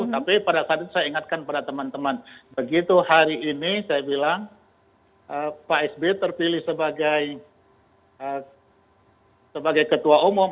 tapi pada saat itu saya ingatkan pada teman teman begitu hari ini saya bilang pak sby terpilih sebagai ketua umum